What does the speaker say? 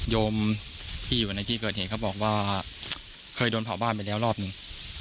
โยมที่อยู่ในที่เกิดเหตุเขาบอกว่าเคยโดนเผาบ้านไปแล้วรอบหนึ่ง